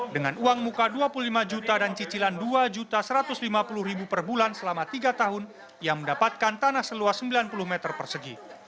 dengan uang muka dua puluh lima juta dan cicilan dua satu ratus lima puluh per bulan selama tiga tahun ia mendapatkan tanah seluas sembilan puluh meter persegi